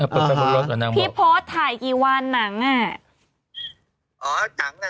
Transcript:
เปิดไฟกดรถพี่โพสถ่ายกี่วันหนังอ่ะ